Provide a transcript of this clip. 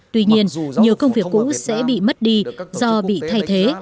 tuy nhiên nhiều công việc cũ sẽ bị mất đi do bị thay thế